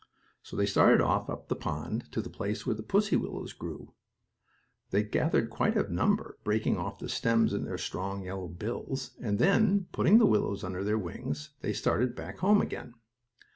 So they started off up the pond to the place where the pussy willows grew. They gathered quite a number, breaking off the stems in their strong yellow bills, and then, putting the willows under their wings, they started back home again.